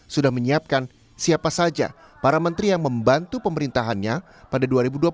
sudah menyiapkan siapa saja para menteri yang membantu pemerintahannya pada dua ribu dua puluh empat